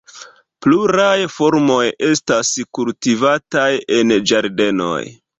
Pluraj formoj estas kultivataj en ĝardenoj.